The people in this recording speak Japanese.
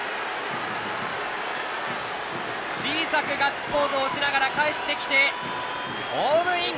小さくガッツポーズをしながらかえってきてホームイン！